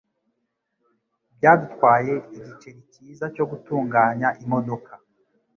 Byadutwaye igiceri cyiza cyo gutunganya imodoka.